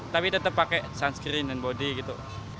tapi tetap pakai sun screen dan body gitu